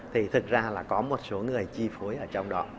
thì thực ra là có một số người chi phối ở trong đó